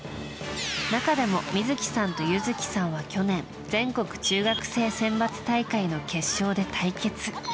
中でも美月さんと優月さんは去年全国中学生選抜大会の決勝で対決。